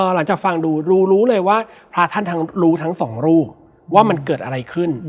หลังจากฟังดูรู้เลยว่าพระท่านทั้งรู้ทั้งสองรูปว่ามันเกิดอะไรขึ้น